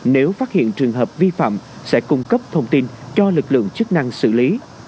nếu phát hiện trường hợp vi phạm sẽ cung cấp thông tin cho lực lượng chức năng xử lý